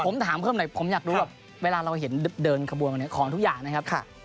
ผมถามเพิ่มหน่อยผมอยากรู้ว่าเวลาเราเห็นเดินขบวนมาเนี่ยของทุกอย่างนะครับ